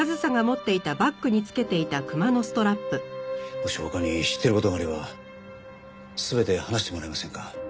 もし他に知っている事があれば全て話してもらえませんか。